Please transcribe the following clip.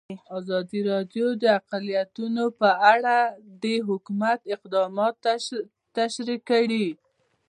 ازادي راډیو د اقلیتونه په اړه د حکومت اقدامات تشریح کړي.